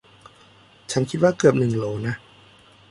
ฉันคิดว่าเกือบหนึ่งโหลนะ